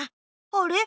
あれ？